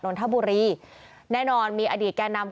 นทบุรีแน่นอนมีอดีตแก่นำ